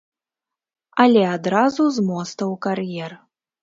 Але адразу з моста ў кар'ер.